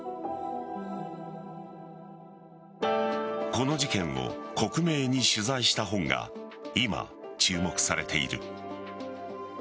この事件を克明に取材した本が今、注目されている。